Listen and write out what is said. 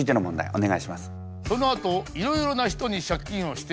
お願いします。